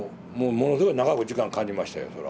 ものすごい長く時間感じましたよ